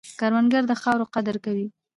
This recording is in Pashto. کروندګر د خاورې قدر کوي